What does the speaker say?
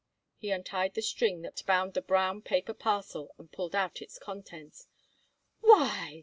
He untied the string that bound the brown paper parcel and pulled out its contents. "Why!"